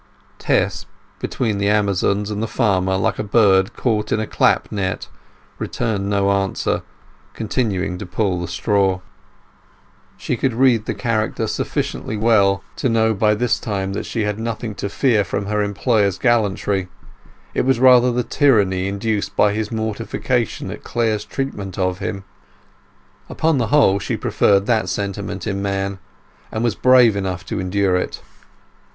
Tess, between the Amazons and the farmer, like a bird caught in a clap net, returned no answer, continuing to pull the straw. She could read character sufficiently well to know by this time that she had nothing to fear from her employer's gallantry; it was rather the tyranny induced by his mortification at Clare's treatment of him. Upon the whole she preferred that sentiment in man and felt brave enough to endure it.